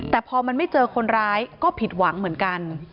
แต่พอมันไม่เจอคนร้ายก็ผิดหวังเหมือนกัน